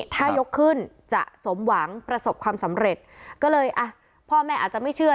ถ้ายกขึ้นจะสมหวังประสบความสำเร็จก็เลยอ่ะพ่อแม่อาจจะไม่เชื่อ